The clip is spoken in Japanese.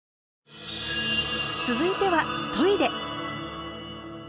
続いてはトイレ。